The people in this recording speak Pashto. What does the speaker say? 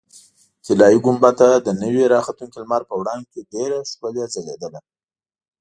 طلایي ګنبده د نوي راختونکي لمر په وړانګو کې ډېره ښکلې ځلېدله.